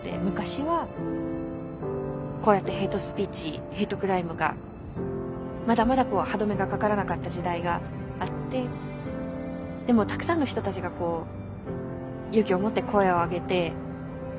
昔はこうやってヘイトスピーチヘイトクライムがまだまだ歯止めがかからなかった時代があってでもたくさんの人たちが勇気を持って声を上げて。